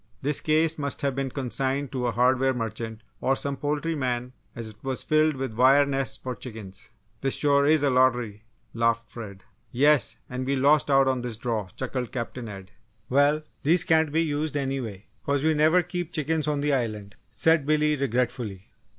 This case must have been consigned to a hardware merchant or some poultry man as it was filled with wire nests for chickens. "This sure is a lottery," laughed Fred. "Yes, and we lost out on this draw!" chuckled Captain Ed. "Well, these can't be used anyway, 'cause we never keep chickens on the Island," said Billy, regretfully.